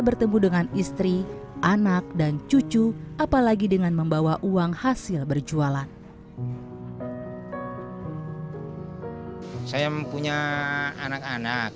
bertemu dengan istri anak dan cucu apalagi dengan membawa uang hasil berjualan saya mempunyai anak anak